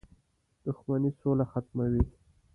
• دښمني سوله ختموي.